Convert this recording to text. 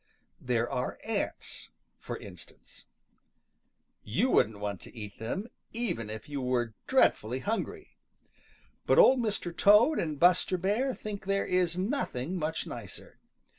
There are ants, for instance. You wouldn't want to eat them even if you were dreadfully hungry. But Old Mr. Toad and Buster Bear think there is nothing much nicer.